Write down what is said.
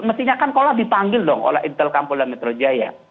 mestinya kan kalau dipanggil dong oleh intel kampung dan metro jaya